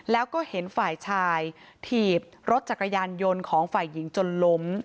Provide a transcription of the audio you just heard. แล้วก็เห็นฝ่ายชายถีบรถจักรยานยนต์ของฝ่ายหญิงจนล้ม